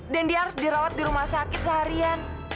dan dia harus dirawat di rumah sakit seharian